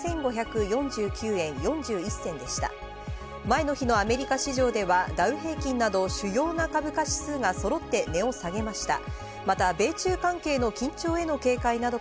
前の日のアメリカ市場ではダウ平均など、主要な株価指数がそろって値を下げました。